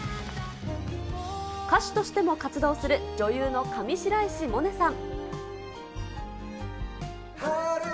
歌手としても活動する女優の上白石萌音さん。